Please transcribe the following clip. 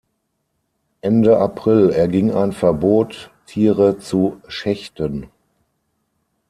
Ende April erging ein Verbot, Tiere zu schächten.